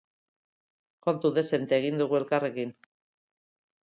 Kontu dezente egin dugu elkarrekin.